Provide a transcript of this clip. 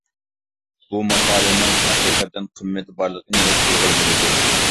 بۇ ماقالىنىڭ ھەقىقەتەن قىممىتى بارلىقىنى ھېس قىلغىلى بولىدۇ.